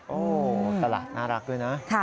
โอ้ตลาดน่ารักเลยนะ